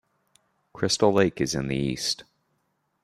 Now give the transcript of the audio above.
Crystal Lake is in the east.